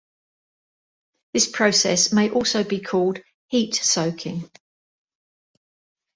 This process may also be called heat soaking.